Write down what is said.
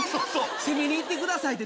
攻めに行ってくださいって。